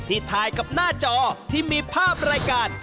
ถ่ายกับหน้าจอที่มีภาพรายการ